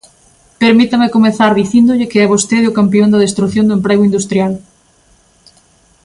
Permítame comezar dicíndolle que é vostede o campión da destrución do emprego industrial.